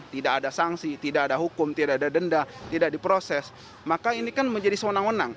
tidak ada sanksi tidak ada hukum tidak ada denda tidak diproses maka ini kan menjadi sewenang wenang